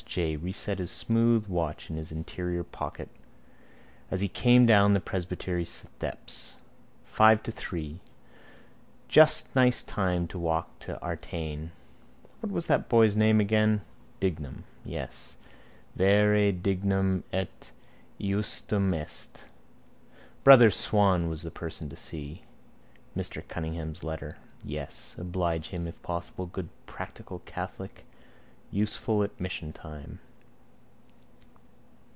J. reset his smooth watch in his interior pocket as he came down the presbytery steps. Five to three. Just nice time to walk to Artane. What was that boy's name again? Dignam. Yes. Vere dignum et iustum est. Brother Swan was the person to see. Mr Cunningham's letter. Yes. Oblige him, if possible. Good practical catholic: useful at mission time.